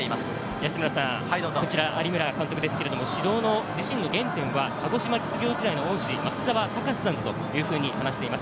有村監督は指導の自身の原点は鹿児島実業時代の恩師・松澤隆司さんと話しています。